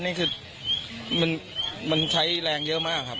นี่คือมันใช้แรงเยอะมากครับ